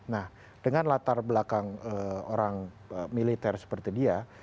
nah dengan latar belakang orang militer seperti dia